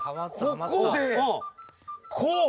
ここでこう！